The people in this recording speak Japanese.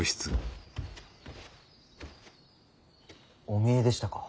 お見えでしたか。